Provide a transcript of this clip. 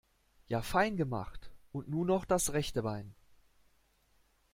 Ja fein gemacht, und nun noch das rechte Bein.